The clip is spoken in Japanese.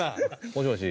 もしもし？